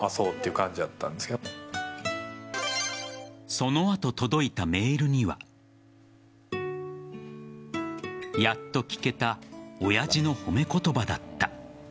その後、届いたメールには。やっと聞けた親父の褒め言葉だった。